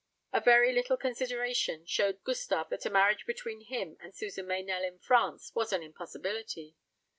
A very little consideration showed Gustave that a marriage between him and Susan Meynell in France was an impossibility.